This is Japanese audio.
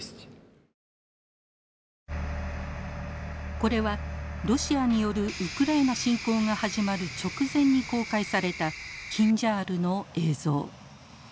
これはロシアによるウクライナ侵攻が始まる直前に公開されたキンジャールの映像。